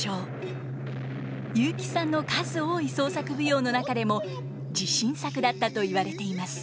雄輝さんの数多い創作舞踊の中でも自信作だったと言われています。